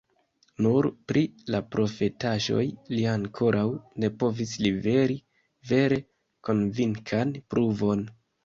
Nur pri la profetaĵoj li ankoraŭ ne povis liveri vere konvinkan pruvon.